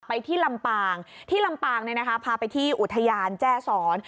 ไปที่ลำปางที่ลำปางเนี่ยนะคะพาไปที่อุทยานแจ้ซ้อน